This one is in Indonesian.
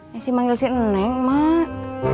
ngasih manggil si neng mak